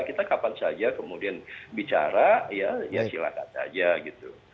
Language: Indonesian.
kita kapan saja kemudian bicara ya silahkan aja gitu